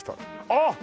あっ！